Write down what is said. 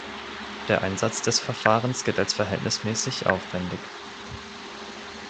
Der Einsatz des Verfahrens gilt als verhältnismäßig aufwendig.